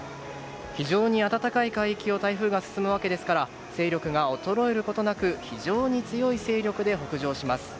非常に暖かい海域を台風が進むわけですから勢力が衰えることなく非常に強い勢力で北上します。